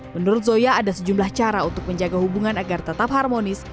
menurut zoya ada sejumlah cara untuk menjaga hubungan agar tetap harmonis